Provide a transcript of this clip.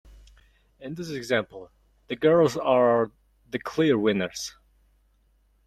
In this example, the girls are the clear winners.